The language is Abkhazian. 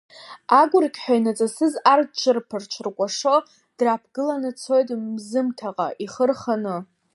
Агәырқьҳәа инаҵысыз ар, дҽырԥа-ҽыркәашо драԥгыланы дцоит Мзымҭаҟа ихы рханы.